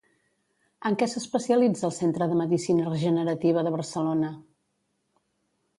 En què s'especialitza el Centre de Medicina Regenerativa de Barcelona?